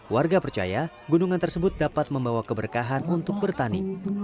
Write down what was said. warga percaya gunungan tersebut dapat membawa keberkahan untuk bertani